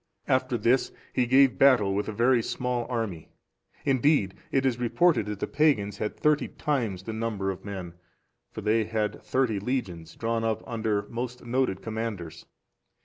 After this he gave battle with a very small army: indeed, it is reported that the pagans had thirty times the number of men; for they had thirty legions, drawn up under most noted commanders.